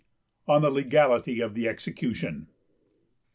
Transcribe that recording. _On the Legality of the Execution.